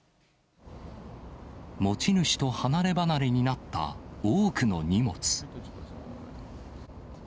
持ち主と離れ離れになった多くの荷物。